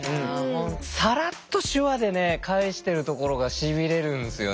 さらっと手話でね返してるところがしびれるんですよね。